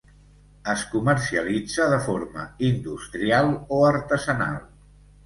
Es comercialitza de forma industrial o artesanal.